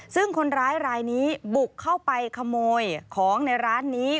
ซึ่งคนร้ายรายนี้บุกเข้าไปขโมยของในร้านนี้